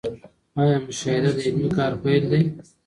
آيا مشاهده د علمي کار پيل دی؟